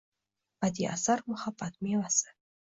Badiiy asar — muhabbat mevasi.